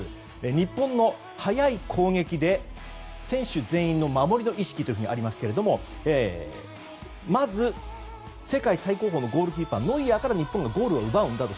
日本の早い攻撃で選手全員の守りの意識とありますがまず世界最高峰のゴールキーパーノイアーから日本はゴールを奪うんだと。